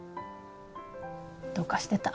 どうかしてた。